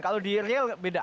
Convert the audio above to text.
kalau di real beda